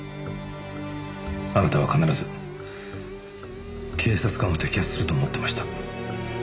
あなたは必ず警察官を摘発すると思ってました。